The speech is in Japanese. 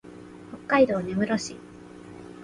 北海道根室市